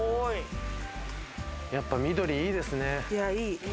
やっぱり緑いいですね。